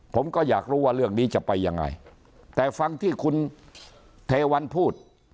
ผมก็อยากรู้ว่าเรื่องนี้จะไปยังไงแต่ฟังที่คุณเทวันพูด